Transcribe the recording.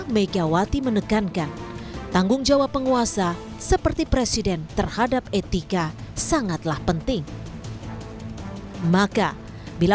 megawati menekankan tanggung jawab penguasa seperti presiden terhadap etika sangatlah penting maka bila